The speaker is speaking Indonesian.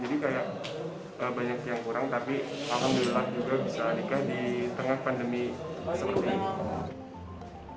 jadi kayak banyak yang kurang tapi alhamdulillah juga bisa nikah di tengah pandemi seperti ini